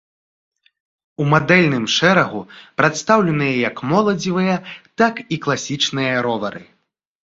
У мадэльным шэрагу прадстаўленыя як моладзевыя, так і класічныя ровары.